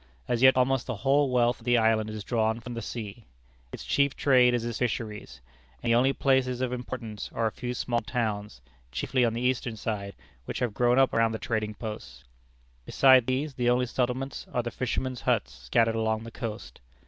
As yet almost the whole wealth of the island is drawn from the sea. Its chief trade is its fisheries, and the only places of importance are a few small towns, chiefly on the eastern side, which have grown up around the trading posts. Besides these, the only settlements are the fishermen's huts scattered along the coast.